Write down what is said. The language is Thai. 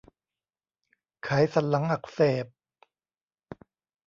ไขสันหลังอักเสบ